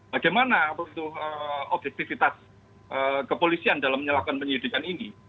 bagaimana peruntuk objektifitas kepolisian dalam menyalahkan penyidikan ini